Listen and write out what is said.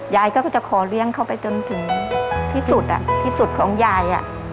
ยายก็จะขอเลี้ยงเขาไปจนถึงที่สุดที่สุดของยาย